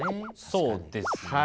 そうですね。